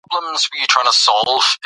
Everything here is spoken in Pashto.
د غواګانو ناروغي په کلي کې خپره ده.